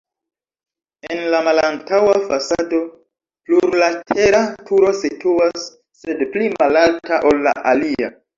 En la malantaŭa fasado plurlatera turo situas, sed pli malalta, ol la alia.